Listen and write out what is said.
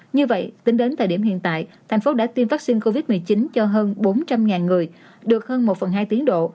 như vậy tính đến thời điểm hiện tại thành phố đã tiêm vaccine covid một mươi chín cho hơn bốn trăm linh người được hơn một phần hai tiến độ